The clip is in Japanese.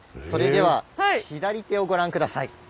それでは左手をご覧ください。